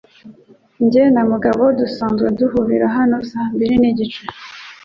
Jye na Mugabo dusanzwe duhurira hano saa mbiri nigice.